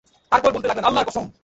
তারপর বলতে লাগলেন, আল্লাহর কসম!